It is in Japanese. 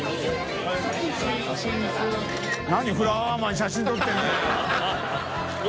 フラワーマン写真撮ってるんだよ！